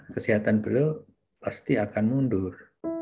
kesehatan beliau pasti akan mundur